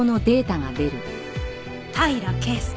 平良圭介。